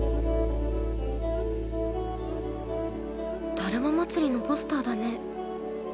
だるま祭りのポスターだね。